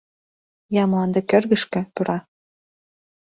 Я мланде кӧргышкӧ пура